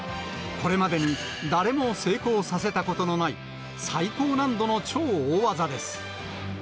これまでに誰も成功させたことのない最高難度の超大技です。